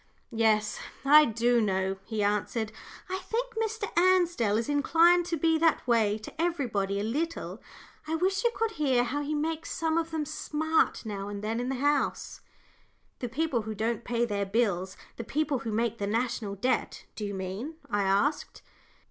"Yes, I do know," he answered. "I think Mr. Ansdell is inclined to be that way to everybody a little. I wish you could hear how he makes some of them smart now and then in the House." "The people who don't pay their bills the people who make the National Debt, do you mean?" I asked.